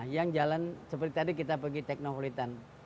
yang jalan seperti tadi kita pergi teknopolitan